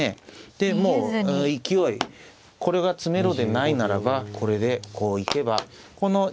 でもう勢いこれが詰めろでないならばこれでこう行けばこの２一飛車